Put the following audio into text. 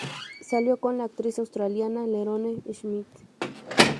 Salió con la actriz australiana Lenore Smith.